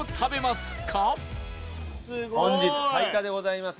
すごい！本日最多でございます。